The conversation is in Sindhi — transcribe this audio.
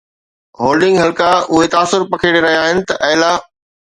هولڊنگ حلقا اهو تاثر پکيڙي رهيا آهن ته اعليٰ